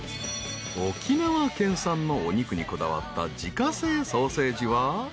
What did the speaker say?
［沖縄県産のお肉にこだわった自家製ソーセージは］